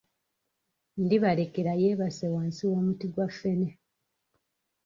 Ndibalekera yeebase wansi w'omuti gwa ffene